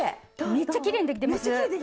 めっちゃきれいにできましたね！